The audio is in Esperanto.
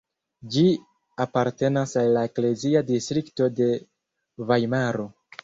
Ĝi apartenas al la eklezia distrikto de Vajmaro.